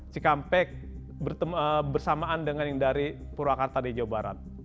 cikampek bersamaan dengan yang dari purwakarta di jawa barat